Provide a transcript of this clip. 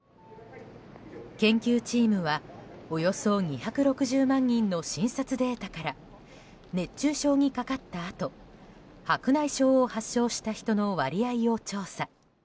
研究チームはおよそ２６０万人の診察データから熱中症にかかったあと白内障を発症した人の割合を調査。